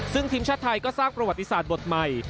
ซึ่งทีมชาติไทยก็สร้างประวัติศาสตร์บทใหม่